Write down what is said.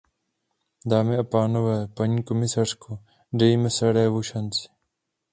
Dámy a pánové, paní komisařko, dejme Sarajevu šanci!